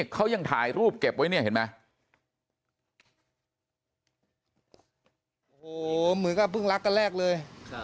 เขายังถ่ายรูปเก็บไว้เนี่ยเห็นมั้ย